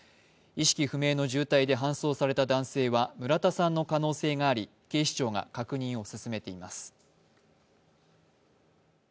意識不明の状態で搬送された男性は村田さんの可能性があり警視庁が確認を進めています。